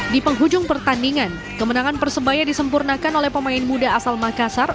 di penghujung pertandingan kemenangan persebaya disempurnakan oleh pemain muda asal makassar